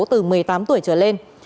từ một mươi tám tuổi trở lên